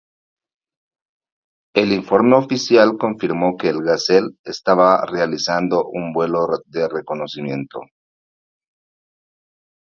El informe oficial confirmó que el Gazelle estaba realizando un vuelo de reconocimiento.